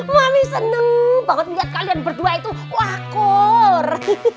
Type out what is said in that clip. mami seneng banget liat kalian berdua itu wakor